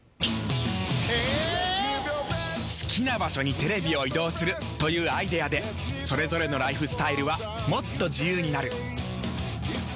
好きな場所にテレビを移動するというアイデアでそれぞれのライフスタイルはもっと自由になる。